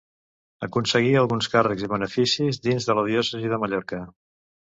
Aconseguí alguns càrrecs i beneficis dins de la diòcesi de Mallorca.